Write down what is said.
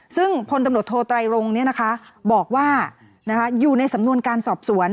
ซึ่งพลตำรวจโทไตรรงบอกว่าอยู่ในสำนวนการสอบสวน